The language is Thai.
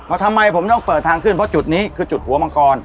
ทำไมผมต้องเปิดทางขึ้นเพราะจุดนี้คือจุดหัวมังกร